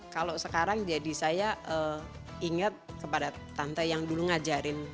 kalau sekarang jadi saya ingat kepada tante yang dulu ngajarin